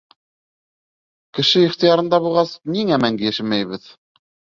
— Кеше ихтыярында булғас, ниңә мәңге йәшәмәйбеҙ?